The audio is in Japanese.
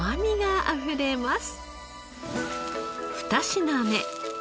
２品目。